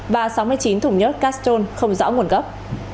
và sáu mươi chín thùng nhớt castrol không rõ nguồn gốc